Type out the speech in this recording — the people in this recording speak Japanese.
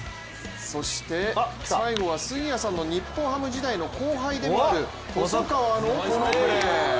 そして最後は、杉谷さんの日本ハム時代の後輩でもある細川のこのプレー。